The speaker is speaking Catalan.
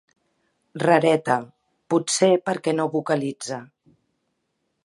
Rareta, potser perquè no vocalitza.